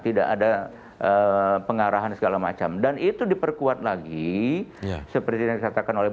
tidak ada pengarahan segala macam dan itu diperkuat lagi seperti yang dikatakan oleh